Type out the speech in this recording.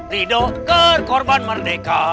ridho kekorban merdeka